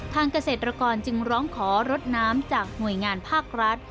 เกษตรกรจึงร้องขอรถน้ำจากหน่วยงานภาครัฐ